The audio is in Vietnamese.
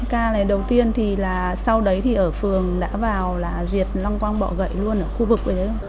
ca này đầu tiên thì là sau đấy thì ở phường đã vào là diệt long quang bọ gậy luôn ở khu vực đấy